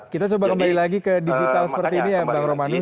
kita coba kembali lagi ke digital seperti ini ya bang romanus